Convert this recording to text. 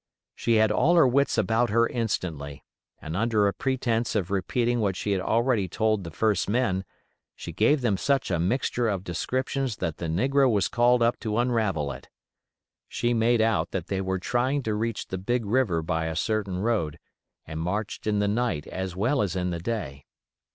She had all her wits about her instantly; and under a pretence of repeating what she had already told the first men, she gave them such a mixture of descriptions that the negro was called up to unravel it. She made out that they were trying to reach the big river by a certain road, and marched in the night as well as in the day.